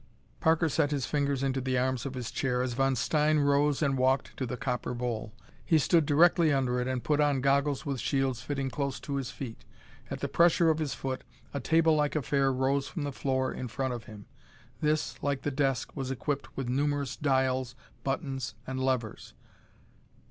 Parker set his fingers into the arms of his chair as Von Stein rose and walked to the copper bowl. He stood directly under it, and put on goggles with shields fitting close to his feet. At the pressure of his foot a tablelike affair rose from the floor in front of him. This, like the desk, was equipped with numerous dials, buttons and levers.